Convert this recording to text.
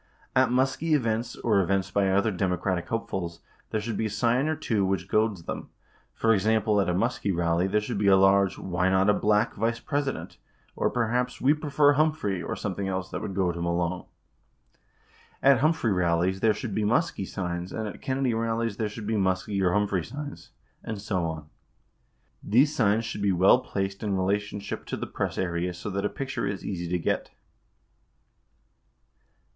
At Muskie events or events by other Democratic hopefuls, there should be a sign or two which goads them. For example, at a Muskie rally, there should be a large "Why Not a Black Vice President" or perhaps "We Prefer Humphrey" or some thing else that would goad him along. At Humphrey rallies, there should be Muskie signs and at Kennedy rallies there should be Muskie or Humphrey signs, and so on. These signs should be well placed in relationship to the press area so that a picture is easy to get.